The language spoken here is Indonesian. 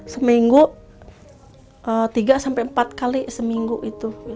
seminggu tiga sampai empat kali seminggu itu